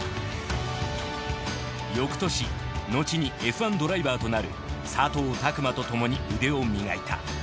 翌年のちにＦ１ドライバーとなる佐藤琢磨とともに腕を磨いた。